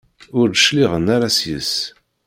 Ur d-cliɛen ara seg-s.